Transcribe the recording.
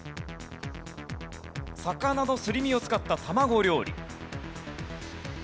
魚のすり身を使った卵料理。